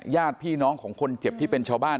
ญาติพี่น้องของคนเจ็บที่เป็นชาวบ้าน